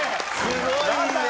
すごいね！